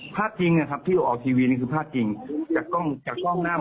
ภาพจริงนะครับที่ออกออกทีวีนี่คือภาพจริงจากกล้องหน้ามอเตอร์ไซค์